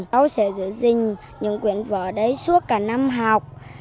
cháu sẽ giữ gìn những quyển vỏ đấy suốt cả năm học